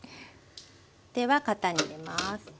では型に入れます。